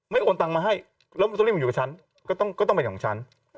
แล้วตัวนี้มันอยู่กับฉันก็ต้องเป็นของฉัน